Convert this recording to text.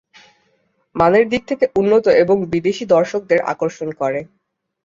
মানের দিক থেকে উন্নত এবং বিদেশী দর্শকদের আকর্ষণ করে।